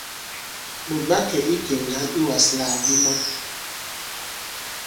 Ɓòt ɓa kɛ̀ ikè ŋgǎn iwàslàgàdi mɔ.